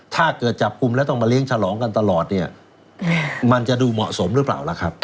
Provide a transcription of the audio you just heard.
จับกลุ่มแล้วต้องมาเลี้ยงฉลองกันตลอดเนี่ยมันจะดูเหมาะสมหรือเปล่าล่ะครับ